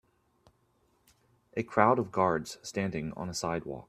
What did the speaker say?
A crowd of guards standing on a sidewalk.